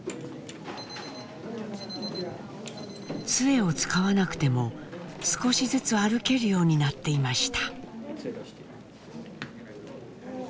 つえを使わなくても少しずつ歩けるようになっていました。